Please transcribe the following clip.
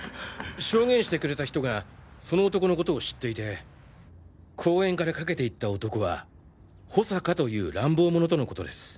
証言してくれた人がその男の事を知っていて公園から駆けていった男は保坂という乱暴者との事です。